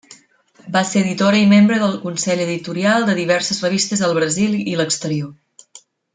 Va ser editora i membre del consell editorial de diverses revistes al Brasil i l'exterior.